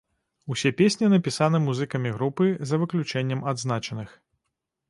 Усе песні напісаны музыкамі групы за выключэннем адзначаных.